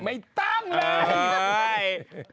ไม่ต้องเลย